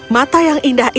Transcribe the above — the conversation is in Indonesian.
mata yang indah ini